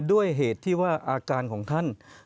ด้วยเหตุที่ว่าอาการของท่าน